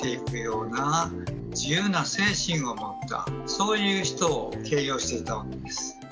そういう人を形容していたわけです。